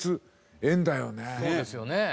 そうですよね。